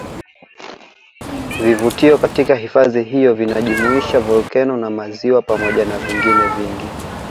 Vivutio katika hifadhi hiyo vinajumuisha volkeno na maziwa pamoja na vingine vingi